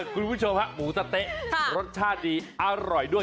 คุณผู้ชมฮะหมูสะเต๊ะรสชาติดีอร่อยด้วย